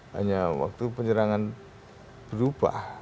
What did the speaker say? hanya waktu penyerangan berubah